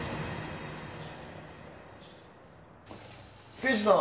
刑事さん